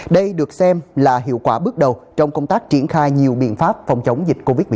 đây được xem là hiệu quả bước đầu trong công tác triển khai nhiều biện pháp phòng chống dịch covid một mươi